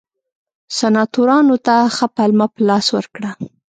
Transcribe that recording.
سناتورانو ته ښه پلمه په لاس ورکړه.